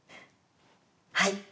はい。